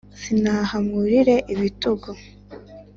sinaha mwurire ibitugu